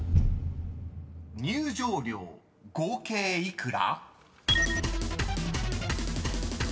［入場料合計幾ら？］